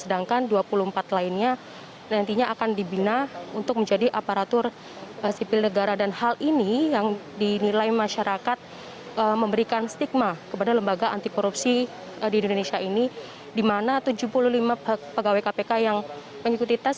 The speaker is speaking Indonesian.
dan ini terus bergulir polemik di kpk ini karena memang sebelumnya tujuh puluh lima pegawai kpk yang mengikuti tes